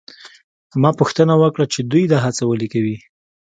ما پوښتنه وکړه چې دوی دا هڅه ولې کوي؟